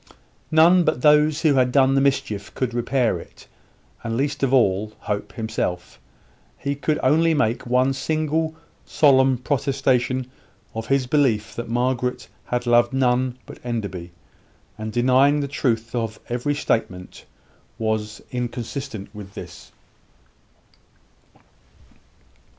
None but those who had done the mischief could repair it; and least of all, Hope himself. He could only make one single, solemn protestation of his belief that Margaret had loved none but Enderby, and deny the truth of every statement that was inconsistent with this.